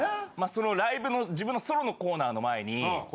そのライブの自分のソロのコーナーの前に。